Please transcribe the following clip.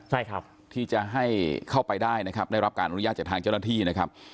ใช่ครับที่จะให้เข้าไปได้นะครับได้รับการอนุญาตจากทางเจ้าหน้าที่นะครับ